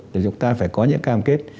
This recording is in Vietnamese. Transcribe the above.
thì chúng ta phải có những cam kết